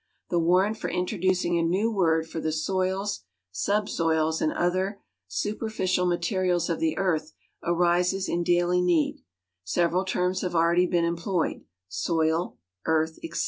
The warrant for introducing a new word for the soils, subsoils, and other superficial materials of the earth arises in daily need ; several terms have already been employed — "soil," "earth," etc.